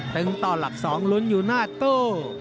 ตึงต่อหลักสองหลุดอยู่หน้าตู้